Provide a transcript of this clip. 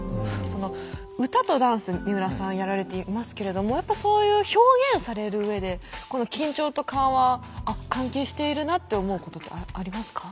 歌とダンス三浦さんやられていますけれどもやっぱそういう表現されるうえでこの緊張と緩和あっ関係しているなって思うことってありますか？